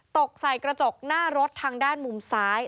ตกใส่กระจกหน้ารถทางด้านมุมซ้าย